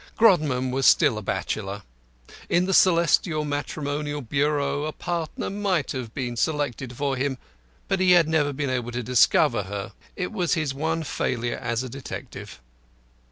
Grodman was still a bachelor. In the celestial matrimonial bureau a partner might have been selected for him, but he had never been able to discover her. It was his one failure as a detective.